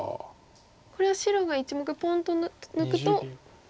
これは白が１目ポンと抜くと。